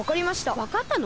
わかったの？